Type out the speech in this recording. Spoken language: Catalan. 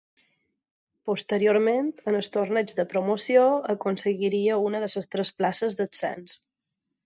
Posteriorment, en el Torneig de Promoció, aconseguiria una de les tres places d'ascens.